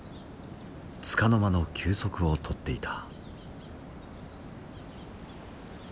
つかの間の休息を取っていた。